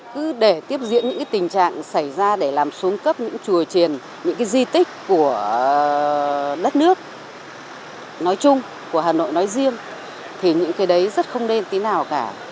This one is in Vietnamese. cứ để tiếp diễn những cái tình trạng xảy ra để làm xuống cấp những chùa triển những cái di tích của đất nước nói chung của hà nội nói riêng thì những cái đấy rất không nên tí nào cả